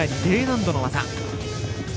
Ｄ難度の技。